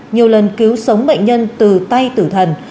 nhiều lần cứu sống bệnh nhân từ tay tử thần